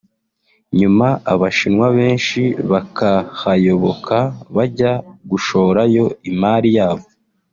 nyuma Abashinwa benshi bakahayoboka bajya gushorayo imari yabo